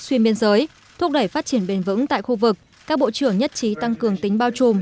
xuyên biên giới thúc đẩy phát triển bền vững tại khu vực các bộ trưởng nhất trí tăng cường tính bao trùm